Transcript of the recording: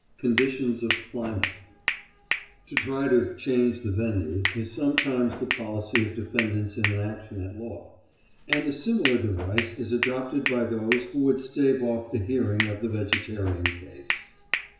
CONDITIONS OF CLIMATE To try to "change the venue" is sometimes the policy of defendants in an action at law, and a similar device is adopted by those who would stave off the hearing of the vegetarian case.